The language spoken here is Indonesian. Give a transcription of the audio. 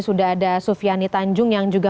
sudah ada sufiani tanjung yang juga